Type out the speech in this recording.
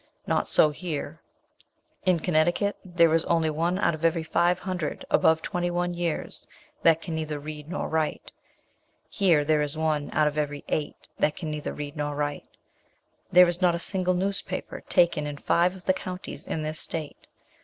Not so here. In Connecticut there is only one out of every five hundred above twenty one years that can neither read nor write. Here there is one out of every eight that can neither read nor write. There is not a single newspaper taken in five of the counties in this state.